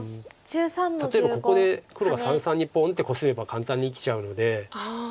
例えばここで黒が三々にポンってコスめば簡単に生きちゃうので。